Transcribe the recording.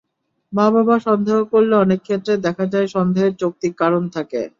মা-বাবা সন্দেহে করলে অনেক ক্ষেত্রে দেখা যায় সন্দেহের যৌক্তিক কারণ থাকে।